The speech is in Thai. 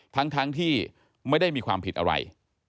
ทั้งที่ไม่ได้มีความผิดอะไร